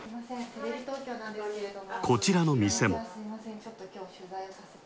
こちらの店も。